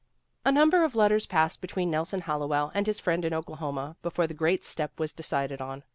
A number of letters passed between Nelson Hallowell and his friend in Oklahoma before the great step was decided on.